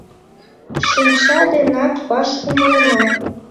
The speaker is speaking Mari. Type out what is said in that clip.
Шинча денак ваш умлена...